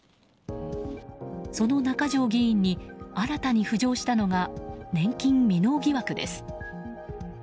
その中条議員に新たに浮上したのが年金未納疑惑です。